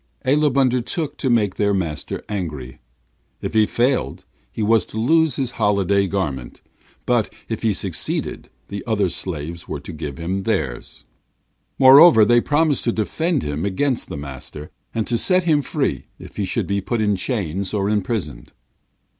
Aleb undertook to make their master angry. If he failed, he was to lose his holiday garment; but if he succeeded, the other slaves were to give him theirs. Moreover, they promised to defend him against the master, and to set him free if he should be put in chains or imprisoned.